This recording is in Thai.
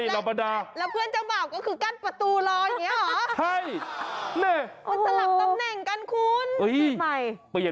ธรรมดาแล้วเพื่อนเจ้าบ่าวก็คือกั้นประตูรออย่างนี้เหรอ